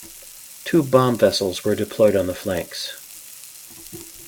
Two bomb-vessels were deployed on the flanks.